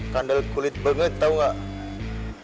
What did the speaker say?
kandel kulit banget tahu nggak